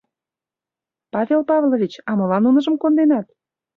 — Павел Павлович, а молан нуныжым конденат?